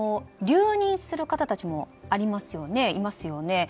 留任する方たちもいますよね。